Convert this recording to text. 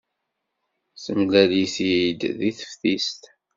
Temlal-it-id deg teftist.